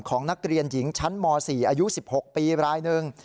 ของนักเรียนหญิงชั้นม๔อายุ๑๖ปีรายหนึ่ง